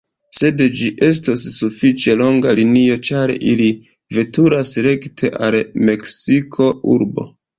Sed ĝi estos sufiĉe longa linio, ĉar ili veturas rekte al Meksiko-urbo.